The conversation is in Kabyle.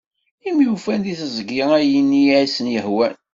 Imi ufan deg tezgi-a ayen i asen-yehwan.